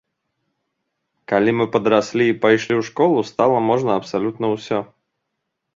Калі мы падраслі і пайшлі ў школу, стала можна абсалютна ўсё.